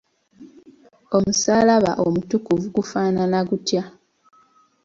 Omusaalaba omutukuvu gufaanana gutya?